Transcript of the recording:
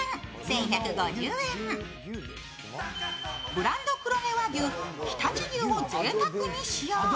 ブランド黒毛和牛常陸牛を贅沢に使用。